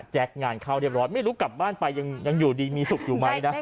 งานเข้าเรียบร้อยไม่รู้กลับบ้านไปยังอยู่ดีมีสุขอยู่ไหมนะ